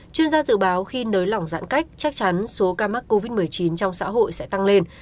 chuyên gia dự báo khi nới lỏng giãn cách chắc chắn số ca mắc covid một mươi chín trong xã hội sẽ tăng lên